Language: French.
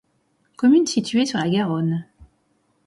Commune située sur la Garonne.